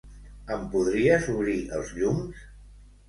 Em podries obrir els llums?